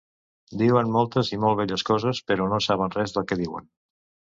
Diuen moltes i molt belles coses, però no saben res del que diuen.